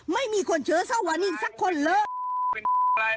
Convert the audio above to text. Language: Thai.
ไม่มีคนเชื้อเศร้าวานิ่งสักคนเลย